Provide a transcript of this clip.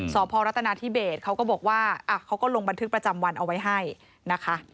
สพรัฐนาธิเบสเขาก็บอกว่าเขาก็ลงบันทึกประจำวันเอาไว้ให้นะคะ